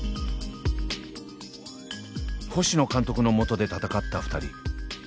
星野監督の下で戦った２人。